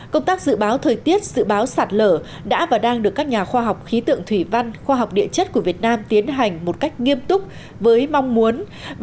công tác dự báo thời tiết dự báo sạt lở đã và đang được các nhà khoa học khí tượng thủy văn khoa học địa chất của việt nam tiến hành một cách nghiêm túc với mong muốn